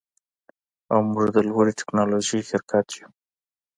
او موږ د لوړې ټیکنالوژۍ شرکت یو